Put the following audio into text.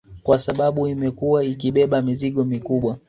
Kwa sababu imekuwa ikibeba mizigo mikubwa